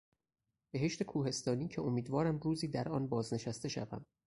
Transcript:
بهشت کوهستانی که امیدوارم روزی در آن بازنشسته شوم.